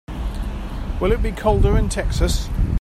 Will it be colder in Texas?